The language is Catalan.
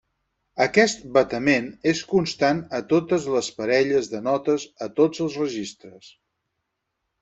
Aquest batement és constant a totes les parelles de notes a tots els registres.